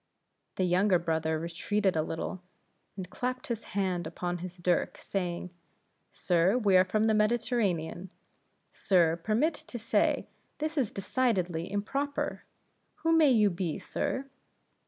The younger brother retreated a little, and clapped his hand upon his dirk, saying, "Sir, we are from the Mediterranean. Sir, permit me to say, this is decidedly improper! Who may you be, sir?"